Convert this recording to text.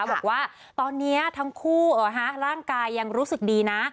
บอกว่าตอนนี้ทั้งคู่ร่างกายยังรู้สึกดีนะ